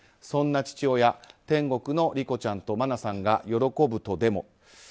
そんな父親、天国の莉子ちゃんと真菜さんが喜ぶとでも？